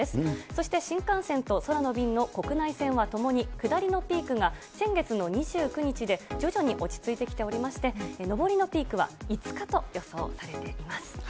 そして新幹線と空の便の国内線はともに下りのピークが先月の２９日で徐々に落ち着いてきておりまして、上りのピークは５日と予想されています。